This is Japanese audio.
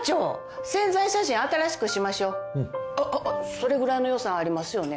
それぐらいの予算ありますよね？